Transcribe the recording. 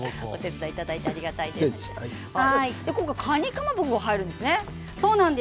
かまぼこが入るんですね。